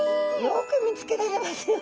よく見つけられますよ